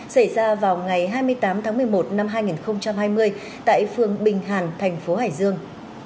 xảy ra vào ngày hai mươi tám tháng một mươi một năm hai nghìn hai mươi tại phường bình hàn thành phố hải dương